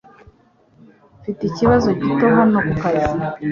Mfite ikibazo gito hano kukazi.